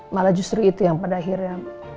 malah justru itu yang pada akhirnya